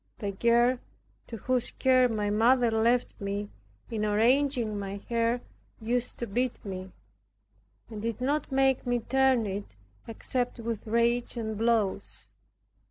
The girl to whose care my mother left me, in arranging my hair used to beat me, and did not make me turn it except with rage and blows.